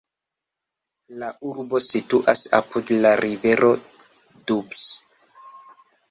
La urbo situas apud la rivero Doubs.